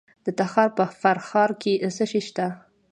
د تخار په فرخار کې څه شی شته؟